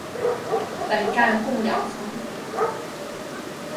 本站共两层。